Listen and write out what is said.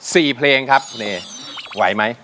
เพลงครับคุณเอไหวไหม